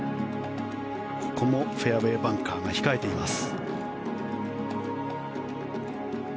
ここもフェアウェーバンカーが控えています。